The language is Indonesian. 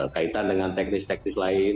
kaitan dengan teknis teknis lain